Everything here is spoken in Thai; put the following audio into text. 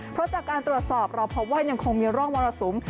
เพราะจากการตรวจสอบเราพบว่ายังคงมีร่องมรสุม